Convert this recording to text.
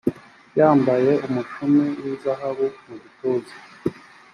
yambaye umushumi w’izahabu mu gituza